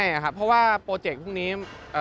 ใช่ครับเพราะว่าโปรเจกต์พรุ่งนี้